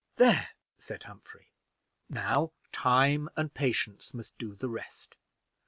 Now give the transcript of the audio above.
"There," said Humphrey, "now time and patience must do the rest.